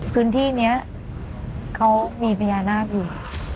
พื้นที่นี้เขามีพญานาคอยู่